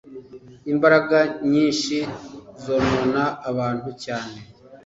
Imbaraga nyishyi zonona abantu cyane.